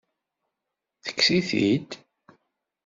Tekkes-it-id?